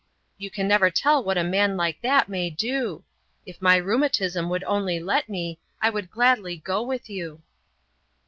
You can never tell what a man like that may do. If my rheumatism would only let me, I would gladly go with you."